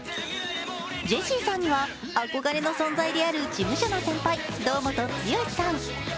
ジェシーさんには憧れの存在である事務所の先輩・堂本剛さん。